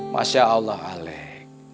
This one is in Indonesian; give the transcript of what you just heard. masya allah alek